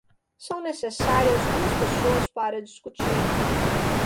São necessárias duas pessoas para discutir.